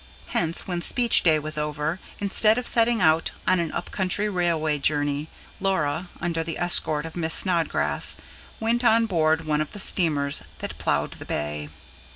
Hence, when speech day was over, instead of setting out on an up country railway journey, Laura, under the escort of Miss Snodgrass, went on board one of the steamers that ploughed the Bay.